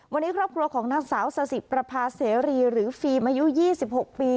วันนี้ครอบครัวของนางสาวซาสิประพาเสรีหรือฟิล์มอายุ๒๖ปี